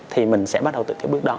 thì mình sẽ bắt đầu từ cái bước đó